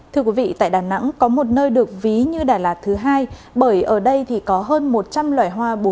thưa quý vị tại đà nẵng có một nơi được ví như đà lạt thứ hai bởi ở đây có hơn một trăm linh loại hoa bốn mùa hoa khoe sắc đu nở